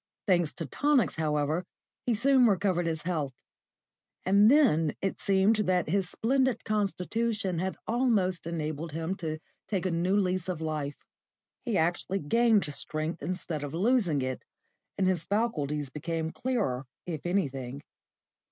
Thanks to tonics, however, he soon recovered his health; and then it seemed that his splendid constitution had almost enabled him to take a new lease of life. He actually gained strength instead of losing it, and his faculties became clearer if anything.